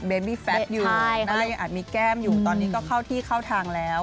เบนมีแฟตอยู่อาจมีแก้มอยู่ตอนนี้ก็เข้าที่เข้าทางแล้ว